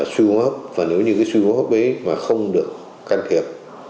swing up và nếu như cái swing up đấy mà không được can thiệp